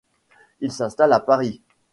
Il s’installe à Paris.